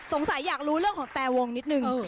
สงสัยอยากรู้เรื่องของแตรวงนิดหนึ่ง